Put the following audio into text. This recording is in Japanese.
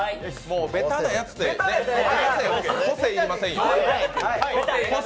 ベタなやつで、個性要りませんよ。